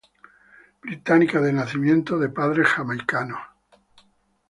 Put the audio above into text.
Británica de nacimiento, de padres jamaicanos.